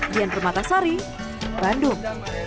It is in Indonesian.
dian permatasari bandung